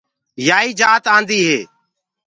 يائيٚ جآت آنٚديٚ هي۔